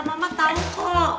mama tahu kok